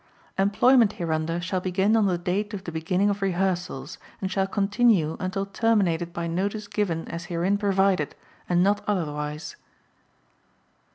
Employment hereunder shall begin on the date of the beginning of rehearsals, and shall continue until terminated by notice given as herein provided and not otherwise.